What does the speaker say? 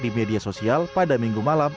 di media sosial pada minggu malam